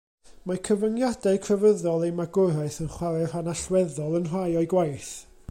Mae cyfyngiadau crefyddol ei magwraeth yn chwarae rhan allweddol yn rhai o'i gwaith.